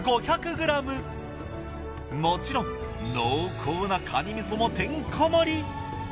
もちろん濃厚なかにみそもてんこ盛り。